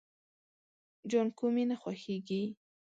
جانکو مې نه خوښيږي.